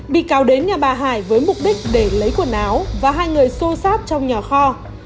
bị cáo đến nhà bà hải với mục đích để lấy quần áo và hai người xô sát trong nhà kho